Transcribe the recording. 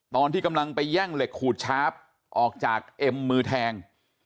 ตอนที่กำลังไปแย่งเหล็กขูดชาร์ฟออกจากเอ็มมือแทง